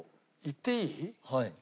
言っていい？